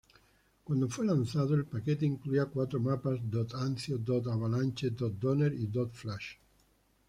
Cuando fue lanzado, el paquete incluía cuatro mapas: dod_anzio, dod_avalanche, dod_donner y dod_flash.